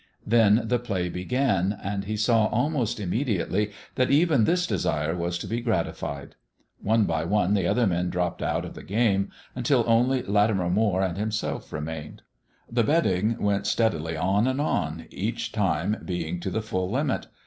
Then the play began, and he saw almost immediately that even this desire was to be gratified. One by one the other men dropped out of the game until only Latimer Moire and himself remained. The betting went steadily on and on, each time being to the full limit.